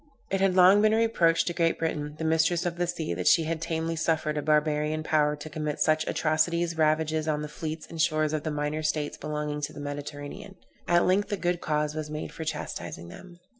It had long been a reproach to Great Britain, the mistress of the sea, that she had tamely suffered a barbarian power to commit such atrocious ravages on the fleets and shores of the minor states along the Mediterranean. At length a good cause was made for chastising them.